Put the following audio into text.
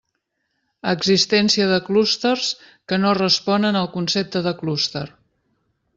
Existència de clústers que no responen al concepte de clúster.